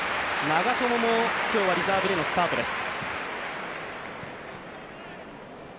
長友も今日はリザーブでのスタートです。